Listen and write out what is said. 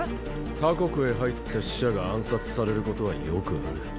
他国へ入った使者が暗殺されることはよくある。